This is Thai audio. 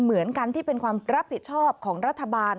เหมือนกันที่เป็นความรับผิดชอบของรัฐบาล